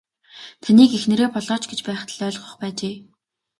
Таныг эхнэрээ болооч гэж байхад л ойлгох байжээ.